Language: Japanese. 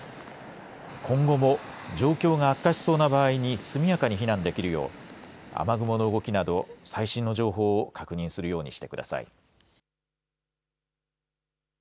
今後も状況が悪化しそうな場合に速やかに避難できるよう雨雲の動きなど最新の情報を確認するようにしてください。